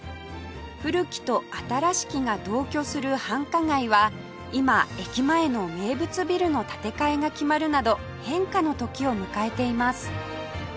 古きと新しきが同居する繁華街は今駅前の名物ビルの建て替えが決まるなど変化の時を迎えています